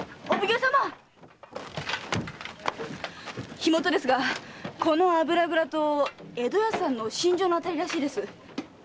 火元はこの油蔵と江戸屋さんの寝所のあたりらしいです。